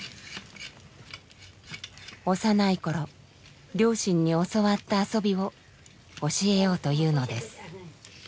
幼い頃両親に教わった遊びを教えようというのです。